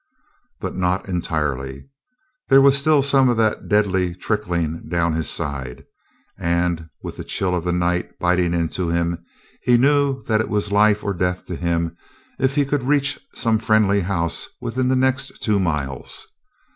But not entirely. There was still some of that deadly trickling down his side, and, with the chill of the night biting into him, he knew that it was life or death to him if he could reach some friendly house within the next two miles.